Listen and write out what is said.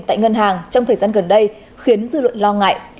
tại ngân hàng trong thời gian gần đây khiến dư luận lo ngại